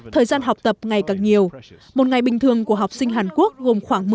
thời gian học tập ngày càng nhiều một ngày bình thường của học sinh hàn quốc gồm khoảng